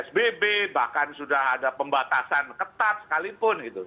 psbb bahkan sudah ada pembatasan ketat sekalipun gitu